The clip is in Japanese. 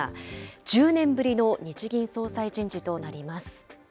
１０年ぶりの日銀総裁人事となります。